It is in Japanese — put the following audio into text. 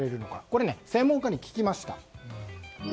これ、専門家に聞きました。